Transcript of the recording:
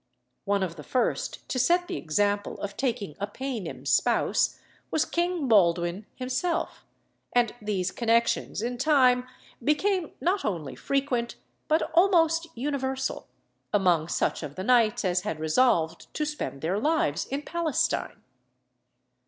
One of the first to set the example of taking a Paynim spouse was King Baldwin himself, and these connexions in time became not only frequent, but almost universal, among such of the knights as had resolved to spend their lives in Palestine.